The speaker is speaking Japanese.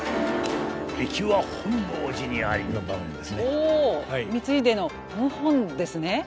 お光秀の謀反ですね。